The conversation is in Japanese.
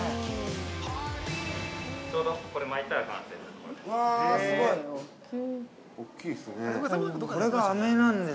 ◆ちょうどこれを巻いたら完成です。